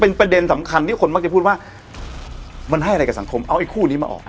เป็นประเด็นสำคัญที่คนมักจะพูดว่ามันให้อะไรกับสังคมเอาไอ้คู่นี้มาออก